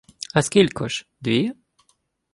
— А скілько ж? Дві?!